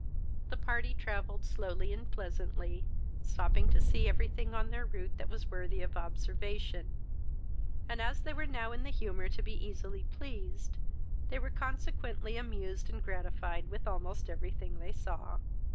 The party travelled slowly and pleasantly, stopping to see every thing on their route that was worthy observation; and, as they were now in the humour to be easily pleased, they were consequently amused and gratified with almost every thing they saw.